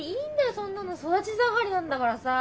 そんなの育ち盛りなんだからさ。